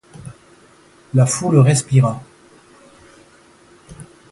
La foule respira.